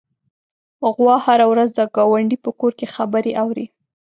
غوا هره ورځ د ګاونډي په کور کې خبرې اوري.